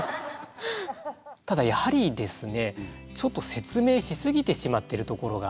ただやはりですねちょっと説明し過ぎてしまってるところがあるかなと。